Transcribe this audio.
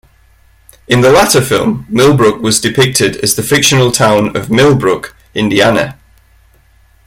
In the latter film, Millbrook was depicted as the fictional town of Millbrook, Indiana.